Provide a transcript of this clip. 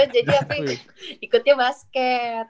jadi aku ikutnya basket